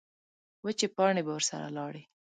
وچې پاڼې به ورسره لاړې.